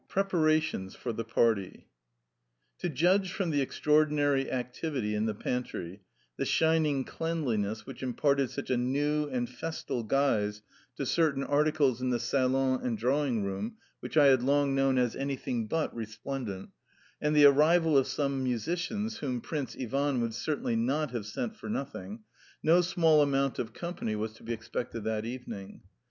XX PREPARATIONS FOR THE PARTY To judge from the extraordinary activity in the pantry, the shining cleanliness which imparted such a new and festal guise to certain articles in the salon and drawing room which I had long known as anything but resplendent, and the arrival of some musicians whom Prince Ivan would certainly not have sent for nothing, no small amount of company was to be expected that evening.